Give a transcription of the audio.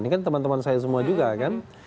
ini kan teman teman saya semua juga kan